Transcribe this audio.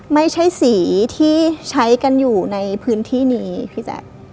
ไม่ใช่สีที่ใช้กันอยู่ในพื้นที่นี้พี่แจ๊ค